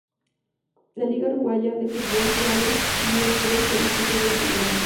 La liga uruguaya de fútbol playa siempre se disputó durante el verano.